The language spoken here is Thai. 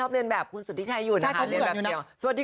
เมื่อกรบอยู่ร้อนด้วย